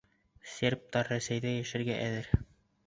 Сербтар Рәсәйҙә йәшәргә әҙер